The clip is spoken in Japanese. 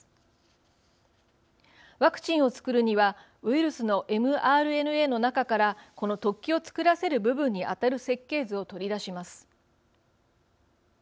ワクチンを作るにはウイルスのｍＲＮＡの中からこの突起を作らせる部分にあたる設計図を取り出します。